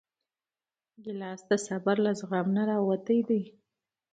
ګیلاس د صبر له زغم نه راوتی دی.